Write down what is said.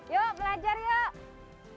yuk belajar yuk